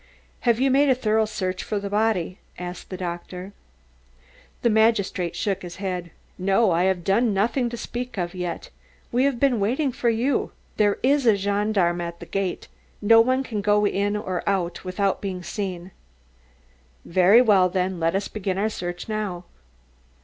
"Have you made a thorough search for the body?" asked the doctor. The magistrate shook his head. "No, I have done nothing to speak of yet. We have been waiting for you. There is a gendarme at the gate; no one can go in or out without being seen." "Very well, then, let us begin our search now."